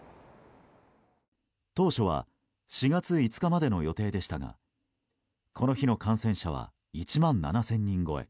当初は４月５日までの予定でしたがこの日の感染者は１万７０００人超え。